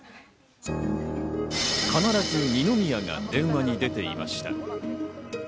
必ず二宮が電話に出ていました。